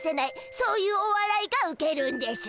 そういうおわらいがウケるんでしゅ。